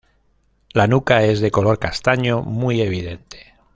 La nuca es de color castaño muy evidente.